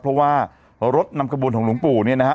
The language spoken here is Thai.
เพราะว่ารถนำขบวนของหลวงปู่เนี่ยนะฮะ